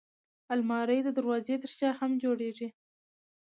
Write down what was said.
الماري د دروازې تر شا هم جوړېږي